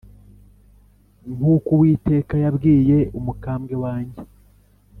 nk’uko Uwiteka yabwiye umukambwe wanjye